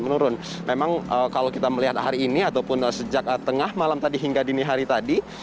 menurun memang kalau kita melihat hari ini ataupun sejak tengah malam tadi hingga dini hari tadi